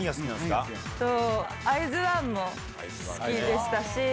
アイズワンも好きでしたし。